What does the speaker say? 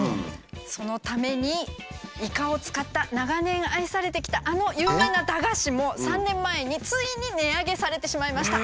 そのためにイカを使った長年愛されてきたあの有名な駄菓子も３年前についに値上げされてしまいました。